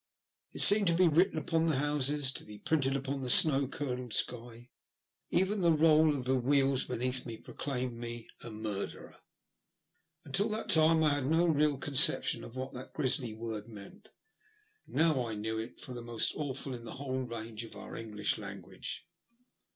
It seemed to be written upon the houses, to be printed upon the snow curdled sky. Even the roll of the wheels beneath me proclaimed me a murderer. Until that time I had had no real conception of what that grisly word meant. Now I knew it for the most awful in the whole range of our English language.